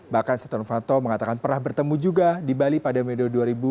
bahkan setonofanto mengatakan pernah bertemu juga di bali pada minggu dua ribu dua belas